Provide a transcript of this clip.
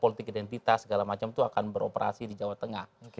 politik identitas segala macam itu akan beroperasi di jawa tengah